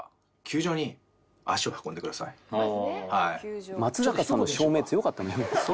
正直「松坂さんの照明強かったんじゃ」